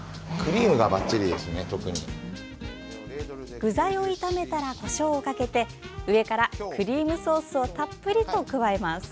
具材を炒めたらこしょうをかけて上からクリームソースをたっぷりと加えます。